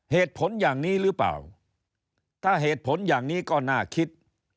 เหตุผลอย่างนี้หรือเปล่าถ้าเหตุผลอย่างนี้ก็น่าคิด